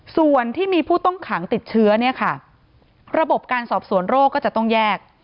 ส่วนที่มีผู้ต้องขังติดเชื้อเนี่ยค่ะระบบการสอบสวนโรคก็จะต้องแยก